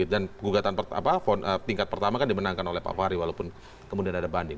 dan tingkat pertama kan dimenangkan oleh pak fahri walaupun kemudian ada banding